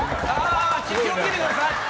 気を付けてください！